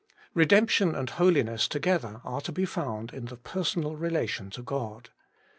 Redemption and Holiness together are to be found in the personal relation to God.